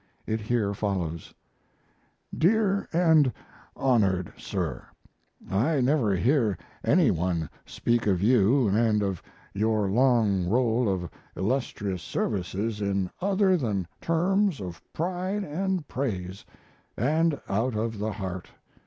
It here follows: DEAR & HONORED SIR, I never hear any one speak of you & of your long roll of illustrious services in other than terms of pride & praise & out of the heart.